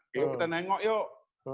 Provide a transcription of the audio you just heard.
yuk kita nengok yuk